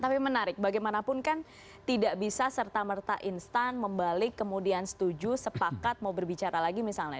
tapi menarik bagaimanapun kan tidak bisa serta merta instan membalik kemudian setuju sepakat mau berbicara lagi misalnya